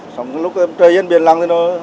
xong lúc trời yên biển lặng thì nó